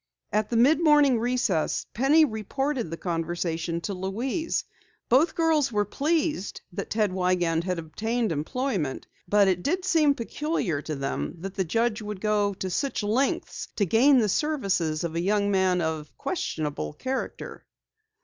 At the mid morning recess, Penny reported the conversation to Louise. Both girls were pleased that Ted Wiegand had obtained employment, but it did seem peculiar to them that the judge would go to such lengths to gain the services of a young man of questionable character.